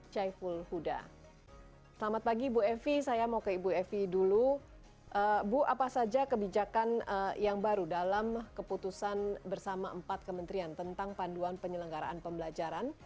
kita diberikan banyak pelajaran